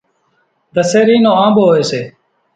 ڌسيرِي نو آنٻو هوئيَ سي۔